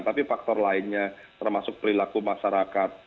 tapi faktor lainnya termasuk perilaku masyarakat